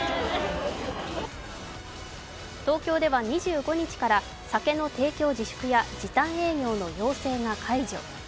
東京では２５日から酒の提供自粛や、時短営業の要請が解除。